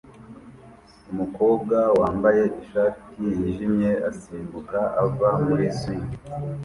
Umukobwa wambaye ishati yijimye asimbuka ava muri swing